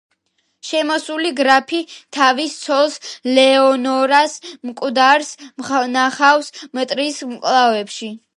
შემოსული გრაფი თავის ცოლს, ლეონორას მკვდარს ნახავს მტრის მკლავებში.